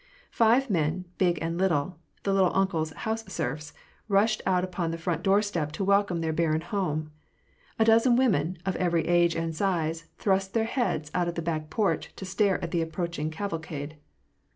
Five men, big and little — the " little uncle's " house serfs — rushed out upon the front doorsteps, to welcome their barin home. A dozen women, of every age and size, thrust their heads out of the back porch to stare at the approaching caval cade.